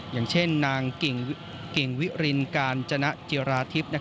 อย่างเช่นนางเก่งวิรินกาญจนะจิราทิพย์